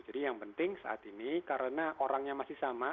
jadi yang penting saat ini karena orangnya masih sama